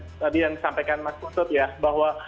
tadi yang disampaikan mas putut ya bahwa